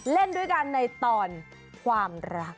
เล่นด้วยกันในตอนความรัก